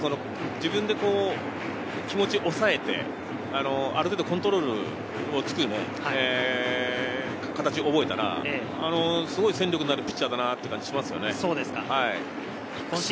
もうちょっと自分で気持ちを抑えて、ある程度コントロールを突く形を覚えたら、すごく戦力になるピッチャーになるかなっていう感じがしますね。